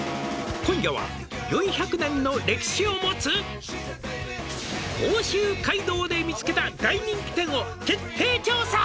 「今夜は４００年の歴史をもつ」「甲州街道で見つけた大人気店を徹底調査」